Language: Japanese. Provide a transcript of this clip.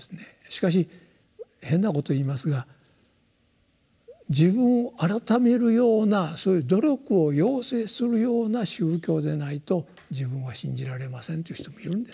しかし変なことを言いますが自分を改めるようなそういう努力を要請するような宗教でないと自分は信じられませんという人もいるんですよ。